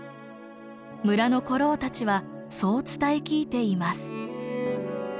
村の古老たちはそう伝え聞いています。